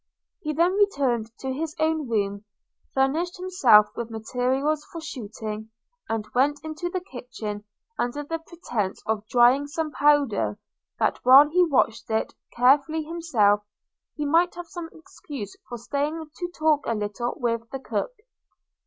He then returned to his own room, furnished himself with materials for shooting, and went into the kitchen under the pretence of drying some powder; that, while he watched it carefully himself, he might have some excuse for staying to talk a little with the cook.